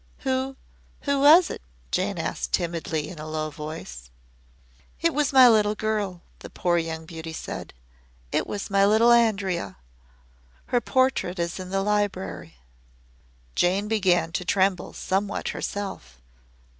"Who who was it?" Jane asked timidly in a low voice. "It was my little girl," the poor young beauty said. "It was my little Andrea. Her portrait is in the library." Jane began to tremble somewhat herself.